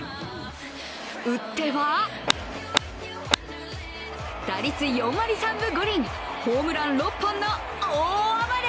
打っては打率４割３分５厘、ホームラン６本の大暴れ。